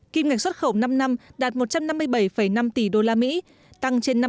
kim ngạch xuất khẩu năm năm đạt một trăm năm mươi bảy năm tỷ usd